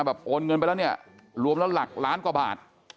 โอนเงินไปแล้วเนี่ยรวมแล้วหลักล้านกว่าบาท